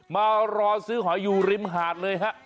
มารอซื้อหอยอยู่ริมหาดเลยฮะ